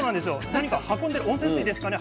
何か運んでる温泉水ですかね？